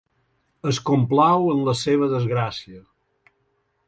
Es complau en la seva desgràcia.